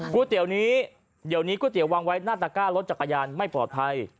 ก๋วยเตี๋ยวนี้เดี๋ยวนี้ก๋วเตี๋ยวางไว้หน้าตะก้ารถจักรยานไม่ปลอดภัย